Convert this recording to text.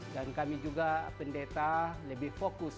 kami juga pendeta lebih fokus